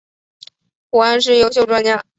武汉市优秀专家。